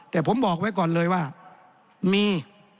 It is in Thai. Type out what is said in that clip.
แต่ผมบอกไว้ก่อนเลยว่ามี